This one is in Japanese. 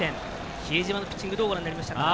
比江島のピッチングどうご覧になりましたか？